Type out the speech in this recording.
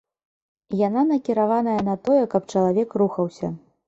Яна накіраваная на тое, каб чалавек рухаўся.